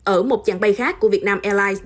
ở một chặng bay khác của việt nam airlines